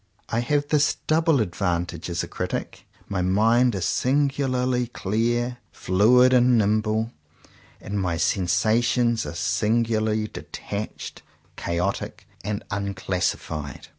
I have this double advantage as a critic. My mind is singu larly clear, fluid, and nimble; and my sensa tions are singularly detached, chaotic, and unclassified.